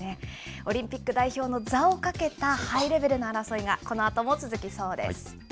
オリンピック代表の座をかけたハイレベルな争いが、このあとも続きそうです。